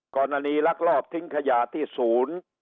ลักลอบทิ้งขยะที่ศูนย์